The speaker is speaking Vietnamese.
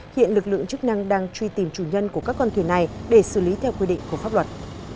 hiện lực lượng chức năng đang truy tìm chủ nhân của các con thuyền này để xử lý theo quy định của pháp luật